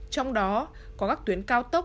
trong đó có các tuyến cao tốc